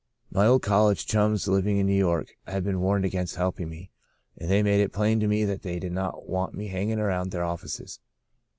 My old college chums living in New York had been warned against helping me, and they made it plain to me that they did not want me hanging around their offices.